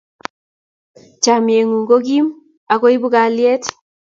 Chamyengung ko kim ak ko ipu kaliet